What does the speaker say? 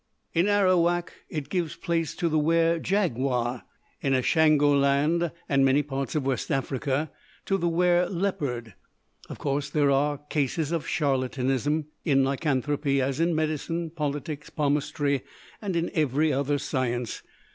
In Arawak, it gives place to the wer jaguar; in Ashangoland, and many parts of West Africa, to the wer leopard. Of course, there are cases of charlatanism in lycanthropy as in medicine, politics, palmistry, and in every other science.